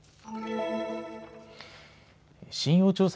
信用調査